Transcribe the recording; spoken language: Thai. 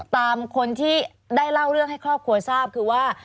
ตามคนที่ได้เล่าเรื่องให้ครอบครัวทราบคือว่า